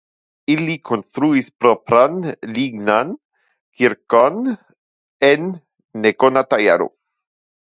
Ili konstruis propran lignan kirkon en nekonata jaro.